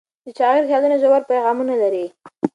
د شاعر خیالونه ژور پیغامونه لري.